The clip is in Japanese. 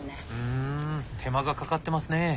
ふん手間がかかってますね。